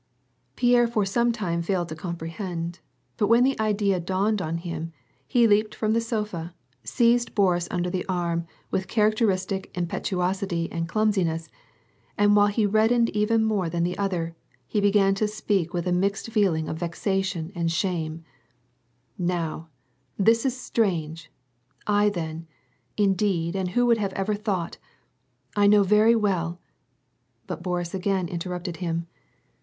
Pierre for some time failed to comprehend, but when the idea dawned upon him, he leaped from the sofa, seized Boris under the arm with characteristic impetuosity and clumsiness, and while he reddened even more than the other, he began to speak with a mixed feeling of vexation and shame, —" Now, this is strange ! I then — indeed and who would have ever thought — I know very well "— But Boris again interrupted him.